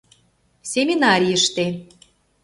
— Семинарийыште.